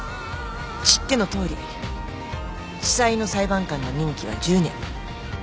知ってのとおり地裁の裁判官の任期は１０年。